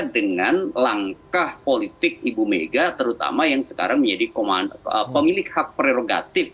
dengan langkah politik ibu mega terutama yang sekarang menjadi pemilik hak prerogatif